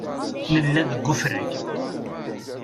Nella deg ufrag.